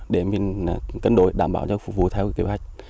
để cân đổi đảm bảo cho phục vụ theo kế hoạch